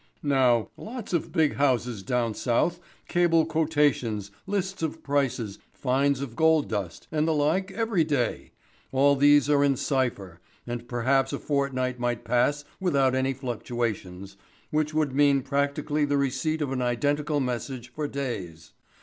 "Now, lots of big houses down South cable quotations, lists of prices, finds of gold dust and the like every day. All these are in cypher, and perhaps a fortnight might pass without any fluctuations, which would mean practically the receipt of an identical message for days.